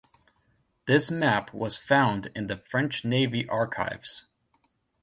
This map was found in the French Navy archives.